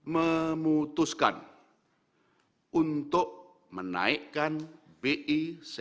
memutuskan untuk menaikkan bi tujuh belas